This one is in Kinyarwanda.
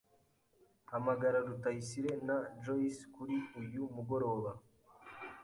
Hamagara Rutayisire na Joyce kuri uyu mugoroba.